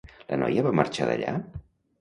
La noia va marxar d'allà?